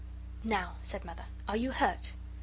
"Now," said Mother, "are you hurt?"